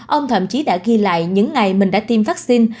ông thậm chí đã ghi lại những ngày mình đã tiêm vaccine